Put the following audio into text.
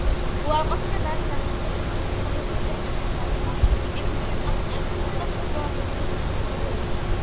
უარყოფითად არის დახასიათებული დასავლეთის ქვეყნები, გაკრიტიკებულია კაპიტალისტური და ბურჟუაზიული საზოგადოება.